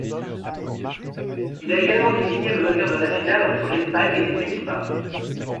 Il a également désigné le vainqueur de la finale entre l'Espagne et les Pays-Bas.